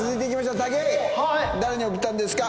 誰に送ったんですか？